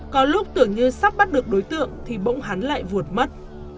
có lúc tưởng như sắp bắt được đối tượng thì bỗng hắn lại vụt mất